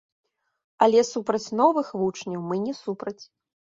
Але супраць новых вучняў мы не супраць.